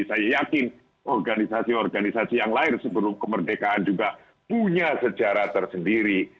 saya yakin organisasi organisasi yang lain sebelum kemerdekaan juga punya sejarah tersendiri